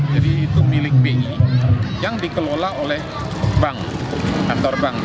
jadi itu milik bi yang dikelola oleh bank kantor bank